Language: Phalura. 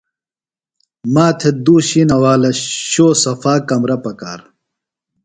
ما تھےۡ دُو شِینہ والہ شو صفا کمرہ پکار۔